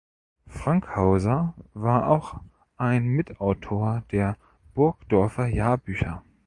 Fankhauser war auch ein Mitautor der "Burgdorfer Jahrbücher".